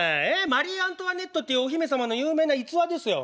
マリー・アントワネットっていうお姫様の有名な逸話ですよ。